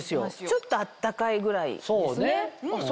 ちょっと温かいぐらいですね。